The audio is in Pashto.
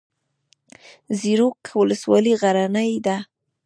زیروک ولسوالۍ غرنۍ ده؟